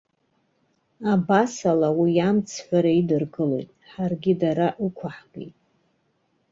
Абас ала, уи амцҳәара идыркылеит, ҳаргьы дара ықәаҳгеит.